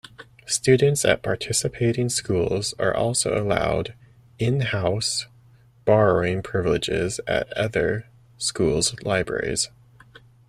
Students at participating schools are also allowed "in-house" borrowing privileges at other schools' libraries.